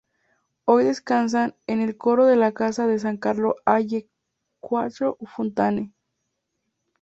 Hoy descansan en el coro de la casa de San Carlo alle Quattro Fontane.